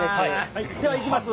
ではいきます。